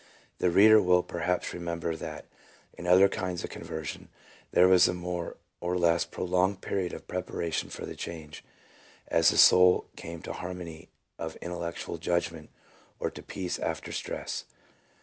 The reader will perhaps remember that in other kinds of conversion there was a more or less prolonged period of preparation for the change, as the soul came to harmony of intellectual judgment, or to peace after stress.